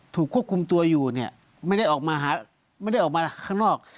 ถูกควบคุมตัวอยู่ไม่ได้ออกมาข้างนอก